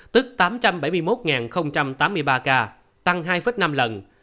tức tám trăm bảy mươi một tám mươi ba ca tăng hai năm lần